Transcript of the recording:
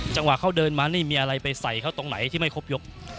จังหวะเขาเดินมานี่มีอะไรไปใส่เขาตรงไหนที่ไม่ครบยก